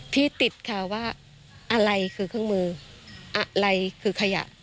ที่ติดค่ะว่าอะไรคือเครื่องมืออะไรคือขยะ